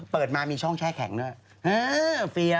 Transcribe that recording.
เปิดมามีช่องแช่แข็งด้วย